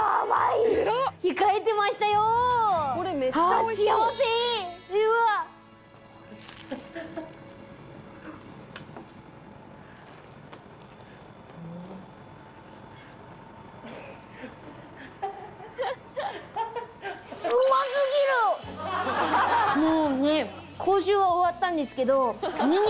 もうね口臭は終わったんですけど。